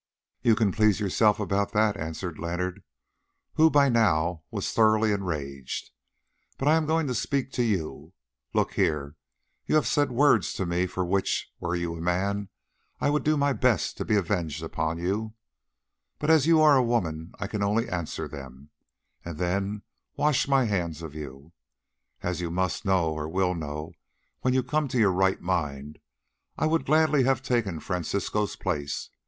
"You can please yourself about that," answered Leonard, who by now was thoroughly enraged, "but I am going to speak to you. Look here, you have said words to me for which, were you a man, I would do my best to be avenged upon you. But as you are a woman I can only answer them, and then wash my hands of you. As you must know, or will know when you come to your right mind, I would gladly have taken Francisco's place.